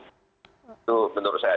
itu menurut saya